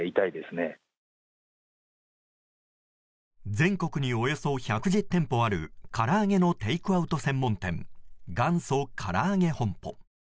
全国におよそ１１０店舗あるから揚げのテイクアウト専門店元祖からあげ本舗。